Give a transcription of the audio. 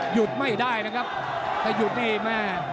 หยุดไม่ได้นะครับถ้าหยุดนี่แม่